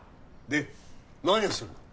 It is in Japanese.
で何をするの？